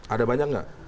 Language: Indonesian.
ada banyak nggak